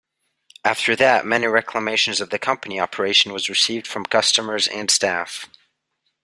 After that many reclamations of the company operation was received from customers and staff.